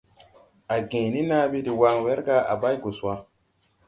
A gęę ni naabe dè wan, wɛrga à bày gus wa.